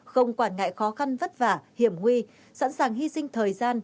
không quản ngại khó khăn vất vả hiểm nguy sẵn sàng hy sinh thời gian